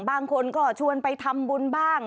บางคนก็ชวนไปทำบุญบ้าง